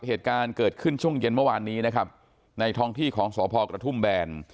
เหตุการณ์เกิดขึ้นช่วงเย็นเมื่อวานนี้นะครับในท้องที่ของสพกระทุ่มแบน